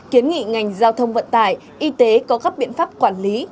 kiến nghị ngành giao thông vận tải y tế có các biện pháp quản lý